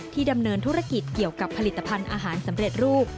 ดำเนินธุรกิจเกี่ยวกับผลิตภัณฑ์อาหารสำเร็จรูป